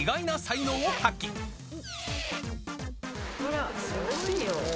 ほら、すごいよ。